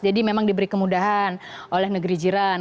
jadi memang diberi kemudahan oleh negeri jiran